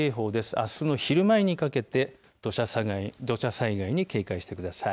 あすの昼前にかけて、土砂災害に警戒してください。